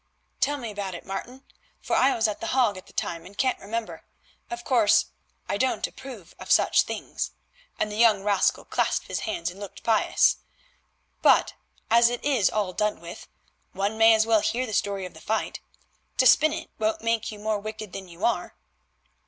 "Tell me about it, Martin, for I was at The Hague at the time, and can't remember. Of course I don't approve of such things"—and the young rascal clasped his hands and looked pious—"but as it is all done with, one may as well hear the story of the fight. To spin it won't make you more wicked than you are."